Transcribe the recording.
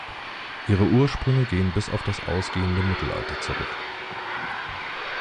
Ihre Ursprünge gehen bis auf das ausgehende Mittelalter zurück.